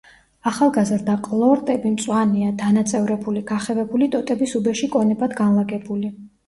ახალგაზრდა ყლორტები მწვანეა, დანაწევრებული, გახევებული ტოტების უბეში კონებად განლაგებული.